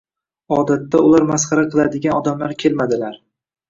Odatda ular masxara qiladigan odamlar kelmadilar.